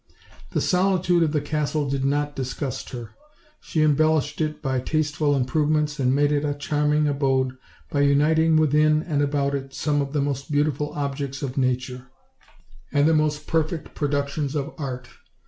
The solitude of the castle did not disgust her; she em bellished it by tasteful improvements and made it a charming abode by uniting within and about it some of 150 OLD, OLD FAIRY TALES. the most beautiful objects of nature, and the most per feet productions of art.